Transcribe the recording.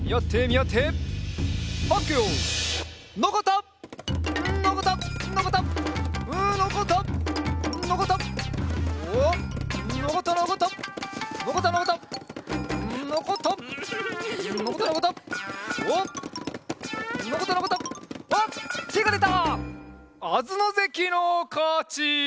あづのぜきのかち！